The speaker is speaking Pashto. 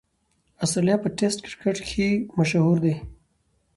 اسټرالیا په ټېسټ کرکټ کښي مشهوره ده.